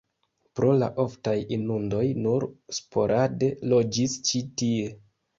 Pro la oftaj inundoj nur sporade loĝis ĉi tie.